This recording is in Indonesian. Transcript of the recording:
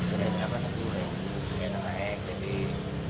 ini akan naik